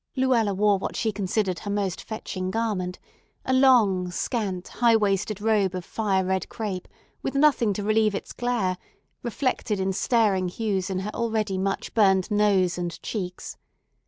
Luella wore what she considered her most "fetching" garment, a long, scant, high waisted robe of fire red crape, with nothing to relieve its glare, reflected in staring hues in her already much burned nose and cheeks.